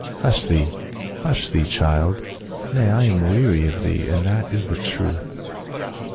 Hush thee, hush thee, child— nay I am weary of thee, and that is the truth."